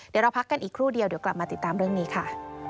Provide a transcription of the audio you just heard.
เดี๋ยวเราพักกันอีกครู่เดียวเดี๋ยวกลับมาติดตามเรื่องนี้ค่ะ